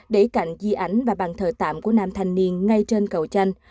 để cạnh di ảnh và bàn thờ tạm của nam thành niên ngay trên cầu tranh